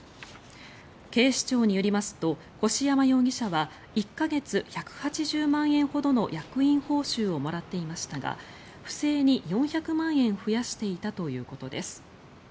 警視庁によりますと越山容疑者は１か月１８０万円ほどの役員報酬をもらっていましたが不正に４００万円増やしていたということです。